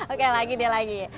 oke lagi deh lagi